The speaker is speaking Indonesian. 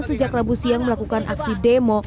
sejak rabu siang melakukan aksi demo